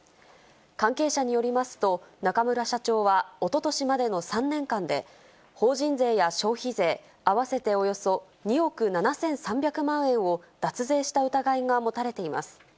関係者によりますと、中村社長はおととしまでの３年間で、法人税や消費税、合わせておよそ２億７３００万円を脱税した疑いが持たれています。